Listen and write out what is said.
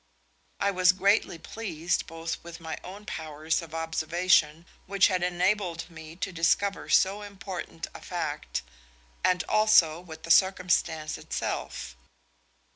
I was greatly pleased both with my own powers of observation which had enabled me to discover so important a fact, and also with the circumstance itself.